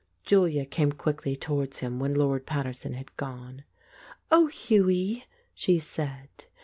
Julia came quickly towards him when Lord Pater son had gone, "Oh, Hughie," she said.